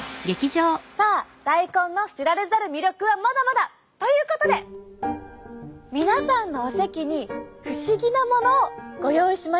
さあ大根の知られざる魅力はまだまだ！ということで皆さんのお席に不思議なものをご用意しました。